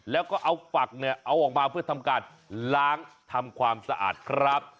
แล้วก็เอาฝักเนี่ยเอาออกมาเพื่อทำการล้างทำความสะอาดครับ